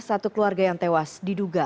satu keluarga yang tewas diduga